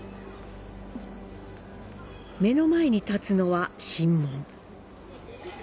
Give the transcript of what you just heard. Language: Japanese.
目の前に建つのは「神門」。